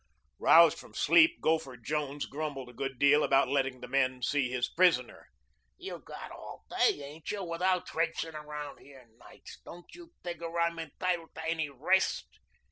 Roused from sleep, Gopher Jones grumbled a good deal about letting the men see his prisoner. "You got all day, ain't you, without traipsing around here nights. Don't you figure I'm entitled to any rest?"